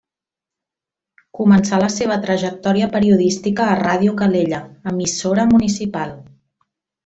Començà la seva trajectòria periodística a Ràdio Calella, emissora municipal.